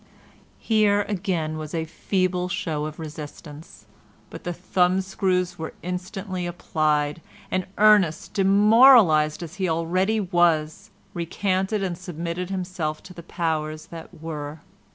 Here, again, there was a feeble show of resistance, but the thumbscrews were instantly applied, and Ernest, demoralised as he already was, recanted and submitted himself to the powers that were.